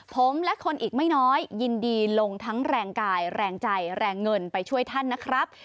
ผมและคนอีกไม่น้อยยินดีลงทั้งแรงกายแรงใจแรงเงินไปช่วยท่านนะครับ